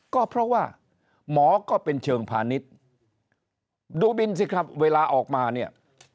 ก็เพราะว่าหมอก็เป็นเชิงพาณิชย์ดูบินสิครับเวลาออกมาเนี่ย